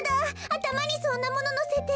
たまにそんなもののせて。